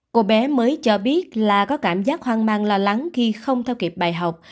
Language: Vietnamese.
cô bé mới cho biết là có cảm giác hoang mang lo lắng khi không theo kịp bài học